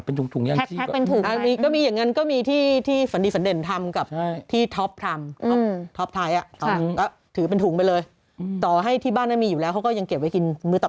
ก็มีอย่างนั้นก็มีที่ที่จะเห็นทำกับที่ทอบทำอืม